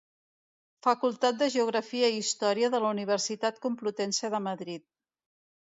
Facultat de Geografia i Història de la Universitat Complutense de Madrid.